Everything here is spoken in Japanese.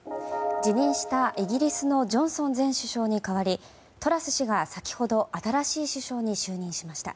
辞任したイギリスのジョンソン前首相に代わりトラス氏が、先ほど新しい首相に就任しました。